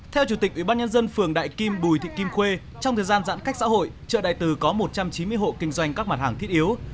theo chủ tịch ubnd phường đại kim bùi thị kim khuê trong thời gian giãn cách xã hội chợ đại từ có một trăm chín mươi hộ kinh doanh các mặt hàng thiết yếu